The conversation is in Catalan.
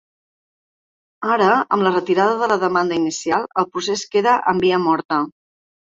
Ara, amb la retirada de la demanda inicial, el procés queda en via morta.